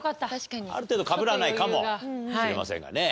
ある程度かぶらないかもしれませんがね。